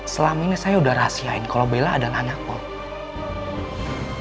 selama ini saya sudah rahasiain kalau bella adalah anak om